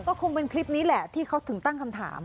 ก็คงเป็นคลิปนี้แหละที่เขาถึงตั้งคำถาม